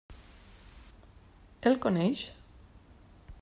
El coneix?